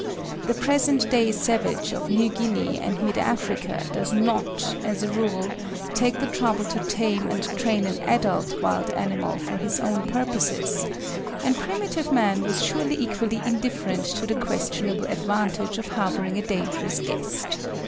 The present day savage of New Guinea and mid Africa does not, as a rule, take the trouble to tame and train an adult wild animal for his own purposes, and primitive man was surely equally indifferent to the questionable advantage of harbouring a dangerous guest.